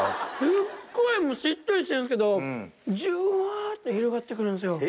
すっごいしっとりしてるんですけどジュワって広がってくるんですよ